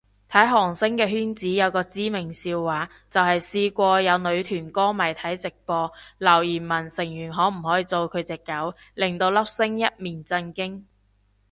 睇韓星嘅圈子有個知名笑話，就係試過有女團歌迷睇直播，留言問成員可唔可以做佢隻狗，令到粒星一面震驚